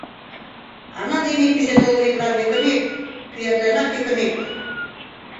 Ана дене пижедылметлан ӧкынет, пӱятланат ӧкынет.